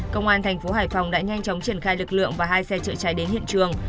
công an thành phố hải phòng đã nhanh chóng triển khai lực lượng và hai xe chữa cháy đến hiện trường